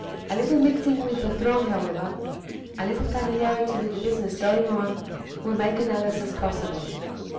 A little mixing with the throng, however, a little familiarity with the business going on, will make analysis possible.